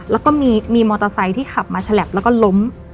แล้วก็มีมอเตอร์ไซค์ที่ขับมาฉลับแล้วก็ล้ม